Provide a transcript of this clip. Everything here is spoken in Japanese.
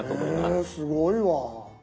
へえすごいわ。